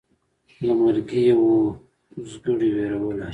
له مرګي یې وو اوزګړی وېرولی